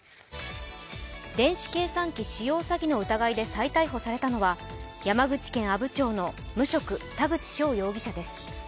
電子計算機使用詐欺の疑いで再逮捕されたのは山口県阿武町の無職・田口翔容疑者です。